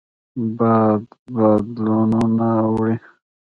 باد بادلونه وړي